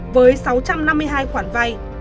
với sáu trăm năm mươi hai khoản vay